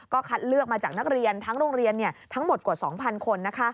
คัดเลือกมาจากนักเรียนทั้งโรงเรียนทั้งหมดกว่า๒๐๐คน